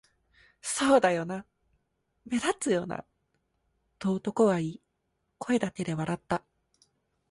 「そうだよな、目立つよな」と男は言い、声だけで笑った